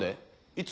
いつ？